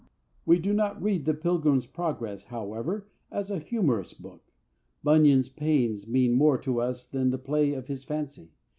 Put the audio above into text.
We do not read The Pilgrim's Progress, however, as a humorous book. Bunyan's pains mean more to us than the play of his fancy.